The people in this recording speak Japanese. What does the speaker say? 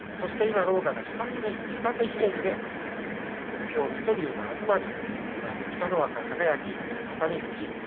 土俵は水戸龍と東龍。